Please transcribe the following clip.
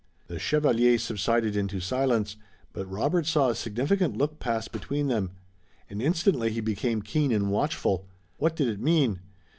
The chevalier subsided into silence, but Robert saw a significant look pass between them, and instantly he became keen and watchful. What did it mean?